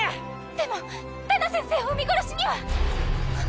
でもダナ先生を見殺しには。